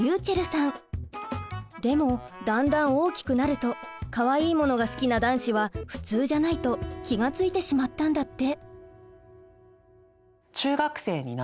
でもだんだん大きくなると「かわいいものが好きな男子は普通じゃない」と気が付いてしまったんだって。